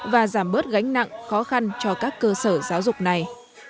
và giảm bớt gánh nặng khó khăn cho các cơ sở giáo dục này